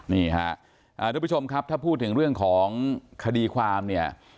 นี่ฮะทุกผู้ชมครับถ้าพูดถึงเรื่องของคดีความเนี่ย